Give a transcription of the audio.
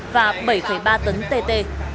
và bảy ba tấn tt